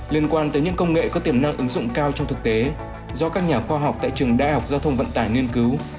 liên quan tới những công nghệ có tiềm năng ứng dụng cao trong thực tế do các nhà khoa học tại trường đại học giao thông vận tải nghiên cứu